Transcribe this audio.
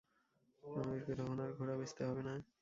আমাদেরকে তখন আর ঘোড়া বেচতে হবে না।